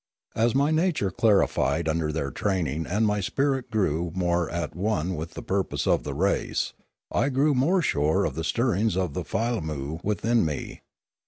As my nature clarified under their training and my spirit grew more at one with the purpose of the race, I grew more sure of the stirrings of the filammu within me.